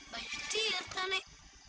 bayu tirta nek